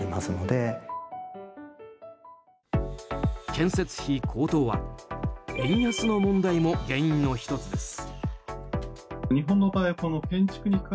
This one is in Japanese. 建設費高騰は円安の問題も原因の１つです。